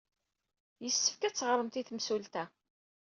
Yessefk ad teɣremt i temsulta.